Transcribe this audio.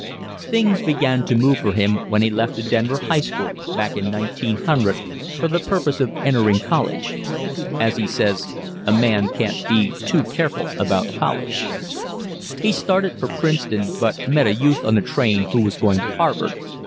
Things began to move for him when he left a Denver high school back in 1900 for the purpose of entering college. As he says, "A man can't be too careful about college." He started for Princeton, but met a youth on the train who was going to Harvard.